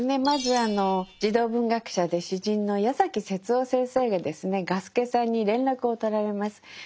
まずあの児童文学者で詩人の矢崎節夫先生がですね雅輔さんに連絡を取られます。